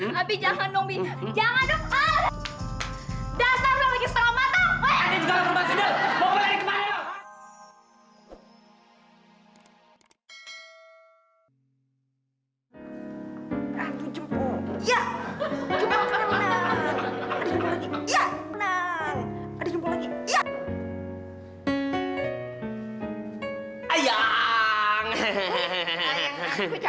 sayang aku cakep banget